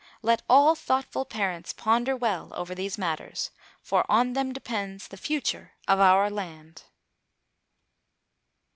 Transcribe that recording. Let all thoughtful parents ponder well over these matters; for on them depends the future of our land.